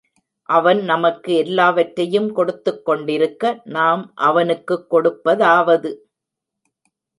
அவன் நமக்கு எல்லாவற்றையும் கொடுத்துக் கொண்டிருக்க, நாம் அவனுக்குக் கொடுப்பதாவது!